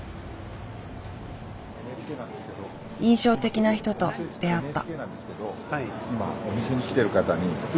印象的な人と出会った。